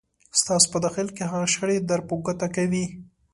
ستاسو په داخل کې هغه شخړې در په ګوته کوي.